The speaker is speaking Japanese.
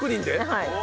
はい。